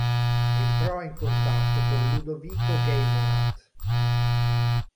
Entrò in contatto con Ludovico Geymonat.